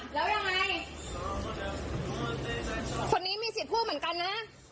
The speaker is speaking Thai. แล้วยังไงคนนี้มีสิทธิ์พูดเหมือนกันนะ